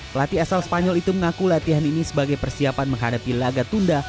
pelatih asal spanyol itu mengaku latihan ini sebagai persiapan menghadapi laga tunda